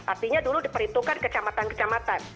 artinya dulu diperhitungkan kecamatan kecamatan